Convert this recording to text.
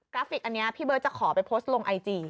ราฟิกอันนี้พี่เบิร์ตจะขอไปโพสต์ลงไอจี